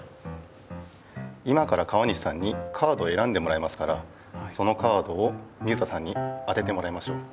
今から川西さんにカードをえらんでもらいますからそのカードを水田さんに当ててもらいましょう。